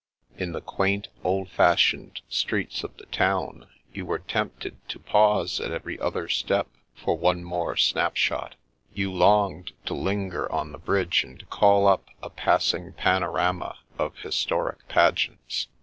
In the quaint, old fashioned streets of the town you were tempted to pause at every other step for one more snap shot. You longed to linger on the bridge and call up a passing panorama of historic pageants.